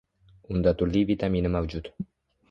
Unda turli vitamini mavjud.